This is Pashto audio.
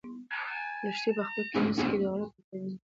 لښتې په خپل کمیس کې د غره د پېژندل شوو ګلانو وچې پاڼې لرلې.